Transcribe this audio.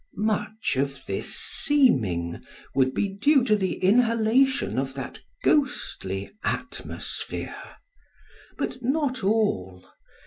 _ —Much of this seeming would be due to the inhalation of that ghostly atmosphere—but not all.